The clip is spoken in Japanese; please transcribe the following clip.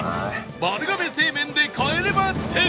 丸亀製麺で帰れま１０